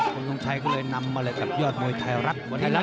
คนทรงชัยก็เลยนำมาเลยกับยอดมวยไทยรัฐ